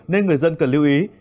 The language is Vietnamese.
nên người dân cần lưu ý